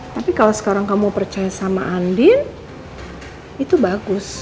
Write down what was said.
tapi kalau sekarang kamu percaya sama andin itu bagus